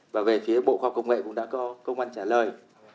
và về phía bộ học công nghệ cũng đã có công văn trả lời